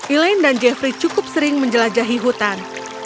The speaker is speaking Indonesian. elaine dan jeffrey cukup sering menjelajahi hutan